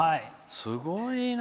すごいな。